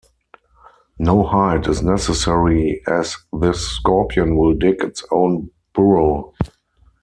No hide is necessary as this scorpion will dig its own burrow.